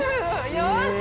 よし！